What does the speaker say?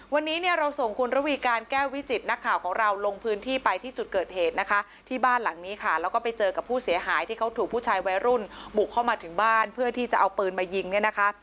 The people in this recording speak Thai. วันนี้เนี่ยเราส่งคุณระวีการแก้ววิจิตนักข่าวของเราลงพื้นที่ไปที่จุดเกิดเหตุนะคะที่บ้านหลังนี้ค่ะแล้วก็ไปเจอกับผู้เสียหายที่เขาถูกผู้ชายวัยรุ่นบุกเข้ามาถึงบ้านเพื่อที่จะเอาปืนมายิงเนี่ยนะคะ